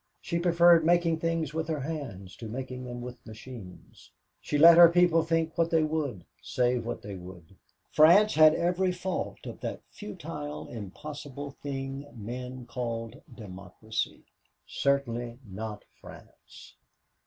She preferred making things with her hands to making them with machines. She let her people think what they would, say what they would. France had every fault of that futile, impossible thing men called democracy. Certainly not France.